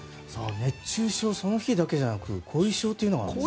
熱中症、その日だけじゃなく後遺症というのがあるんですね。